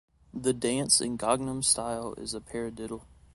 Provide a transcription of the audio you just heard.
The dance in "Gangnam Style" is a paradiddle.